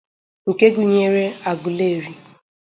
nke gụnyere Aguleri